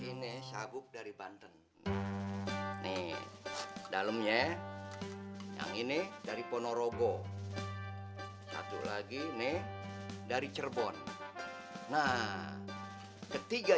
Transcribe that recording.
ini sabuk dari banten nih dalamnya yang ini dari ponorogo satu lagi nih dari cirebon nah ketiga